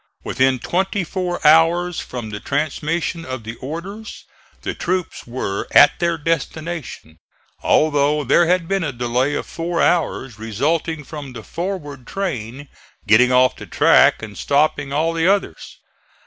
Within twenty four hours from the transmission of the order the troops were at their destination, although there had been a delay of four hours resulting from the forward train getting off the track and stopping all the others.